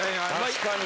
確かに。